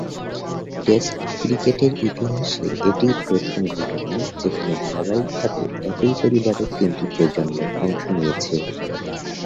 Test ক্রিকেটের ইতিহাসে এটিই প্রথম ঘটনা যেখানে ধারাবাহিকভাবে একই পরিবারের তিনটি প্রজন্ম অংশ নিয়েছে।